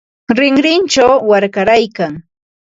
Rinrinchaw warkaraykan.